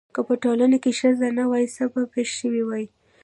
که په ټولنه کې ښځه نه وای څه به پېښ شوي واي؟